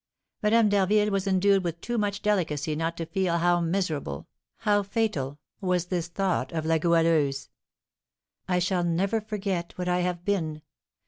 Madame d'Harville was endued with too much delicacy not to feel how miserable, how fatal, was this thought of La Goualeuse: "I shall never forget what I have been!"